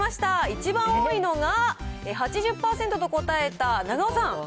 一番多いのが８０％と答えた長尾さん。